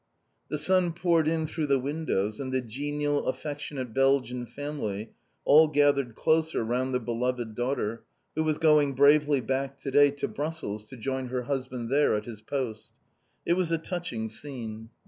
The sun poured in through the windows, and the genial affectionate Belgian family all gathered closer round the beloved daughter, who was going bravely back to day to Brussels to join her husband there at his post. It was a touching scene.